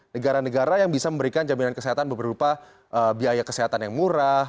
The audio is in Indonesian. negara negara yang bisa memberikan jaminan kesehatan berupa biaya kesehatan yang murah